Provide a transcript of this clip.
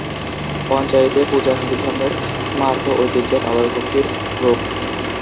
পঞ্চায়েত পূজা হিন্দুধর্মের স্মার্ত ঐতিহ্যে পাওয়া ভক্তির রূপ।